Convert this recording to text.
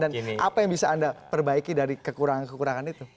dan apa yang bisa anda perbaiki dari kekurangan kekurangan itu